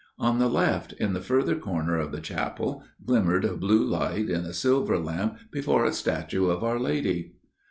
On the left, in the further corner of the chapel, glimmered a blue light in a silver lamp before a statue of our Lady.